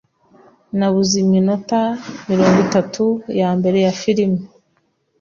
Nabuze iminota mirongo itatu yambere ya firime.